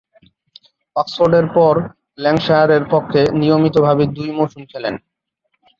অক্সফোর্ডের পর ল্যাঙ্কাশায়ারের পক্ষে নিয়মিতভাবে দুই মৌসুম খেলেন।